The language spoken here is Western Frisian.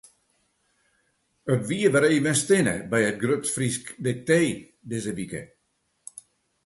It wie wer even stinne by it Grut Frysk Diktee dizze wike.